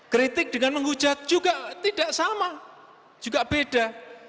kritik dengan menghujat juga tidak sama juga beda